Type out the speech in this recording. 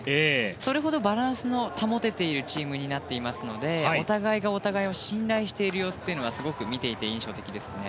それほどバランスの保てているチームですのでお互いがお互いを信頼している様子というのがすごく見ていて、印象的ですね。